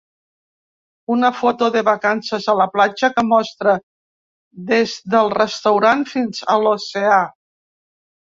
Una foto de vacances a la platja que mostra des del restaurant fins a l'oceà.